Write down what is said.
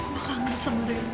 makannya sama ren